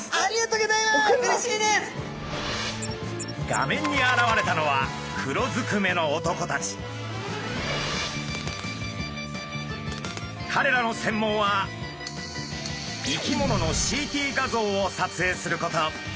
画面に現れたのはかれらの専門は生き物のＣＴ画像を撮影すること。